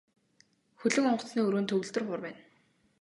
Хөлөг онгоцны өрөөнд төгөлдөр хуур байна.